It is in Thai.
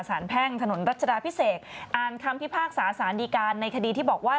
แพ่งถนนรัชดาพิเศษอ่านคำพิพากษาสารดีการในคดีที่บอกว่า